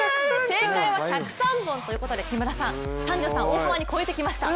正解は１０３本ということで木村さん、３３、大幅に超えてきました。